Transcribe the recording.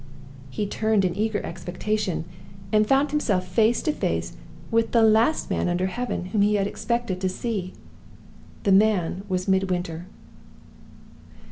He turned in eager expectation, and found himself face to face with the last man under heaven whom he had expected to see. The man was MIDWINTER.